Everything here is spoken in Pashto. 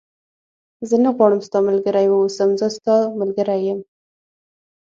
زه نه غواړم ستا ملګری و اوسم، زه ستا ملګری یم.